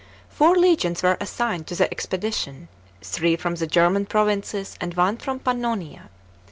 Four legions were assigned to the expedition, three Irom the German provinces, and one from Pann«»rJa.